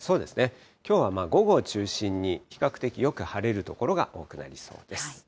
きょうは午後を中心に比較的よく晴れる所が多くなりそうです。